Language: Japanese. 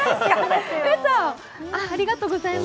うそ、ありがとうございます。